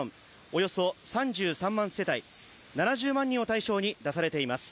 およそ３３万世帯７０万人を対象に出されています。